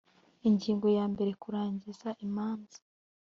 ingingo yambere kurangiza imanza